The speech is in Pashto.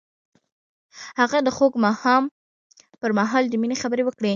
هغه د خوږ ماښام پر مهال د مینې خبرې وکړې.